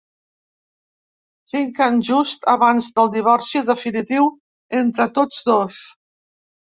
Cinc anys justs abans del divorci definitiu entre tots dos.